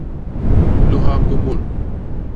Lôha kômôl.